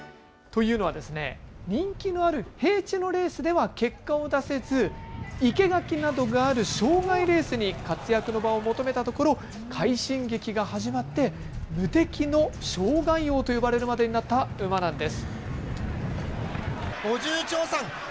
人気のある平地のレースでは結果が出せず生け垣などがある障害レースで活躍の場を求めたところ快進撃が始まって無敵の障害王と呼ばれるまでになった馬なんです。